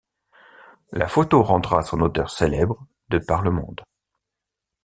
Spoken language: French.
La photo rendra son auteur célèbre de par le monde.